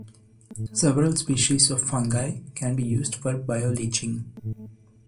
Several species of fungi can be used for bioleaching.